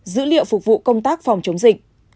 dữ liệu phục vụ công tác phòng chống dịch